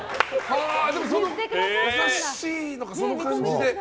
優しいのか、その感じで。